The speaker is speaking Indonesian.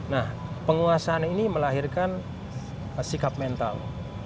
nah penguasaan ini melahirkan sikap mental